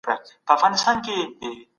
سوداګرو خپل مالونه لیږدول.